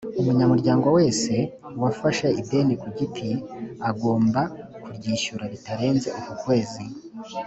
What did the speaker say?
umunyamuryango wese wafashe ideni ku giti agomba kuryishyura bitarenze uku kwezi